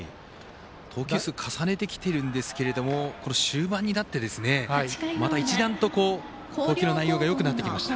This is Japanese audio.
投球数重ねてきているんですけど終盤になってまた一段と、投球の内容がよくなってきました。